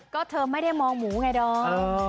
ก็เธอไม่ได้มองหมูไงดอม